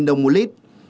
hai đồng một lít